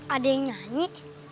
ada yang nyanyi